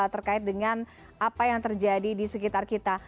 terkait dengan apa yang terjadi di sekitar kita